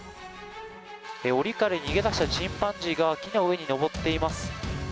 おりから逃げ出したチンパンジーが木の上に登っています。